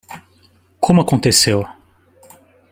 Como aconteceu?